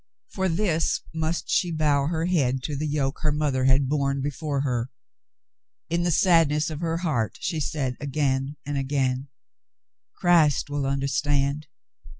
For this must she bow her head to the yoke her mother had borne before her. In the sadness of her heart she said again and again: "Christ will understand.